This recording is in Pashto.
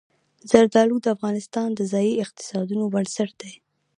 زردالو د افغانستان د ځایي اقتصادونو بنسټ دی.